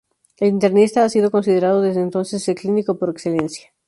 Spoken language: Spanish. El internista ha sido considerado, desde entonces, el clínico por excelencia.